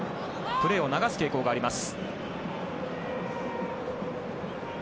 プレーを流す傾向があります。